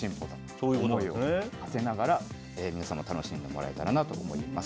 そういう思いをはせながら、皆さんにも楽しんでもらえたらなと思います。